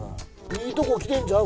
いいとこきてんちゃう？